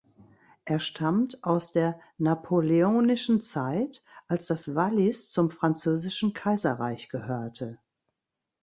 Er stammt aus der napoleonischen Zeit, als das Wallis zum französischen Kaiserreich gehörte.